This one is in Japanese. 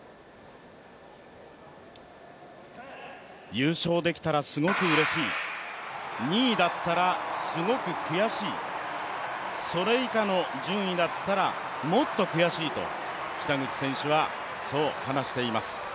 優勝できたら、すごくうれしい、２位だったらすごく悔しい、それ以下の順位だったらもっと悔しいと北口選手はそう話しています。